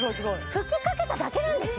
吹きかけただけなんですよ？